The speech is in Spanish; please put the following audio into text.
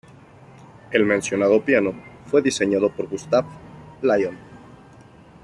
El mencionado piano fue diseñado por Gustave Lyon.